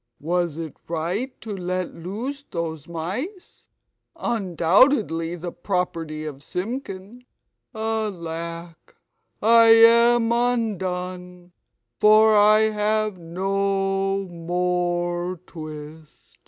Was it right to let loose those mice, undoubtedly the property of Simpkin? Alack, I am undone, for I have no more twist!"